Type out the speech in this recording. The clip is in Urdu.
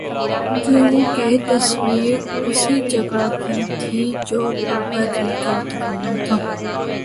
کیوں کہ تصویر اسی جگہ کی تھی جو باباجی کا ٹھکانہ تھا